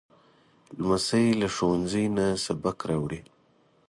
لمسی له ښوونځي نه سبق راوړي.